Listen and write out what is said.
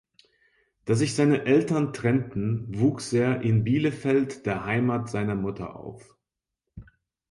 Da sich seine Eltern trennten, wuchs er in Bielefeld, der Heimat seiner Mutter auf.